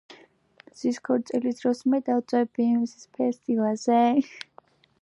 mzis qorwilis dros me davwvebi mzisfer silaze